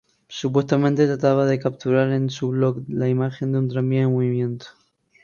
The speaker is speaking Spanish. Supuestamente trataba de capturar en su block la imagen de un tranvía en movimiento.